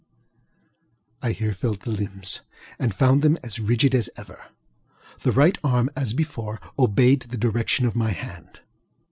ŌĆØ I here felt the limbs and found them as rigid as ever. The right arm, as before, obeyed the direction of my hand.